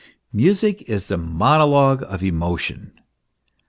Music is a monologue of emotion.